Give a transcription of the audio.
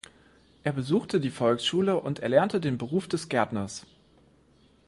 Er besuchte die Volksschule und erlernte den Beruf des Gärtners.